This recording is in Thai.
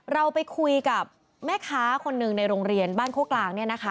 เราไปคุยกับแม่ค้าคนหนึ่งในโรงเรียนบ้านโคกลางเนี่ยนะคะ